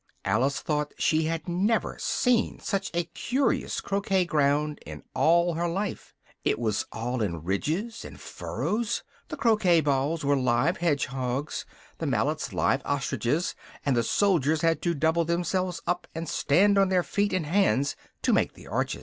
Alice thought she had never seen such a curious croquet ground in all her life: it was all in ridges and furrows: the croquet balls were live hedgehogs, the mallets live ostriches, and the soldiers had to double themselves up, and stand on their feet and hands, to make the arches.